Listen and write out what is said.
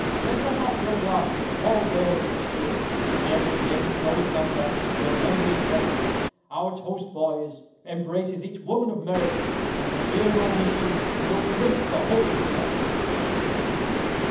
Then toss off your glasses to all girls of spirit, Ne'er with names, or with number, your memories vex; Our toast, boys, embraces each woman of merit, And, for fear of omission, we'll drink the WHOLE SEX.